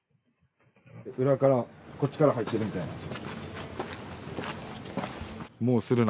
裏から、こっちから入ってるみたいな。